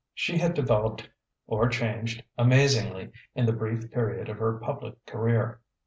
She had developed or changed amazingly in the brief period of her public career.